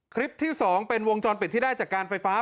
คลิปที่๒เป็นวงจรปิดที่ได้จากการไฟฟ้า